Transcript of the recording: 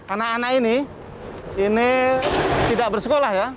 anak anak ini tidak bersekolah